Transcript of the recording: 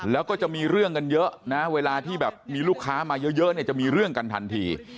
แล้วก็จะมีเรื่องกันเยอะนะเวลาที่แบบมีลูกค้ามาเยอะเนี่ยจะมีเรื่องกันทันที